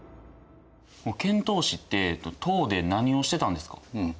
遣唐使って唐で何をしてたんですか？